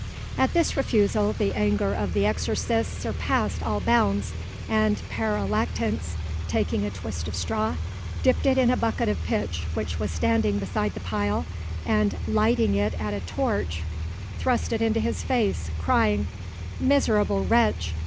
At this refusal the anger of the exorcists surpassed all bounds, and Pere Lactance, taking a twist of straw, dipped it in a bucket of pitch which was standing beside the pile, and lighting it at a torch, thrust it into his face, crying— "Miserable wretch!